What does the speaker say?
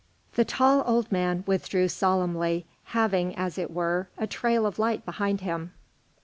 XII The tall old man withdrew solemnly, leaving, as it were, a trail of light behind him.